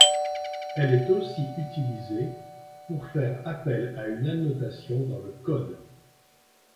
Elle est aussi utilisée pour faire appel à une annotation dans le code.